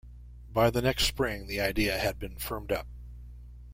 By the next spring the idea had been firmed-up.